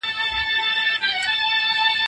د پلار د پښو خاورې زموږ د سترګو رانجه دي.